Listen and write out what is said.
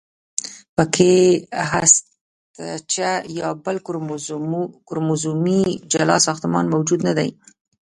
پکې هستچه یا بل کروموزومي جلا ساختمان موجود نه دی.